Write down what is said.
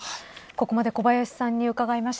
ここまで小林さんに伺いました。